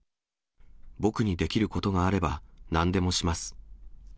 僕にできることがあれば、なんでもします。